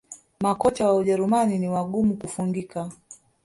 Makocha wa Ujerumani ni wagumu kufungika